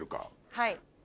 はい。